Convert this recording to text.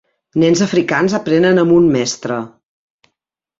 Nens africans aprenen amb un mestre.